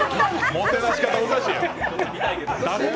もてなし方おかしいやろ！